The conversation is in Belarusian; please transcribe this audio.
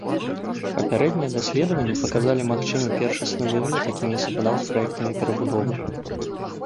Папярэднія даследаванні паказалі магчымы першасны выгляд, які не супадаў з праектамі перабудовы.